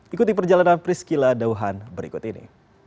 ikuti perjalanan priscila dauhan berikut ini